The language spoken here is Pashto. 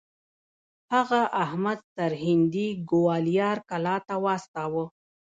هغه احمد سرهندي ګوالیار کلا ته واستوه.